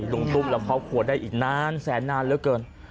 ลุงตุ้มและครอบครัวได้อีกนานแสนนานเหลือเกิน